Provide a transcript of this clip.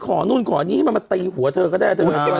ขอนู่นขอนี่ให้เขามาตีหัวเธอก็ได้